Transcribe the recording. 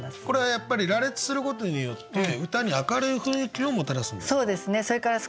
これはやっぱり羅列することによって歌に明るい雰囲気をもたらすんですか？